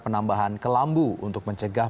penambahan kelambu untuk mencegah